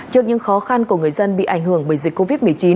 trước những khó khăn của người dân bị ảnh hưởng bởi dịch covid một mươi chín